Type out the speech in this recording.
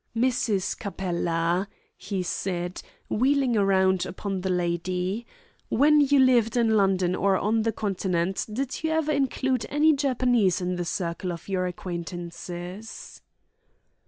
"Mrs. Capella," he said, wheeling round upon the lady, "when you lived in London or on the Continent did you ever include any Japanese in the circle of your acquaintances?"